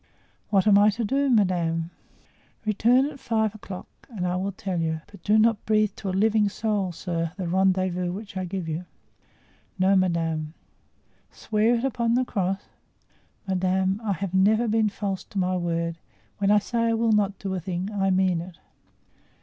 "What am I to do, madame?" "Return at five o'clock and I will tell you; but do not breathe to a living soul, sir, the rendezvous which I give you." "No, madame." "Swear it upon the cross." "Madame, I have never been false to my word; when I say I will not do a thing, I mean it."